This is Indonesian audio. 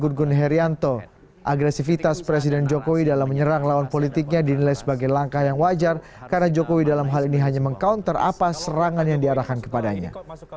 menurut agresivitas presiden jokowi dalam menyerang lawan politiknya dinilai sebagai langkah yang wajar karena jokowi dalam hal ini hanya meng counter apa serangan yang diarahkan kepadanya